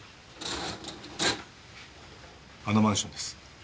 あのマンションです。